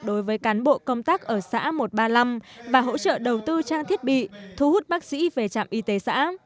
đối với cán bộ công tác ở xã một trăm ba mươi năm và hỗ trợ đầu tư trang thiết bị thu hút bác sĩ về trạm y tế xã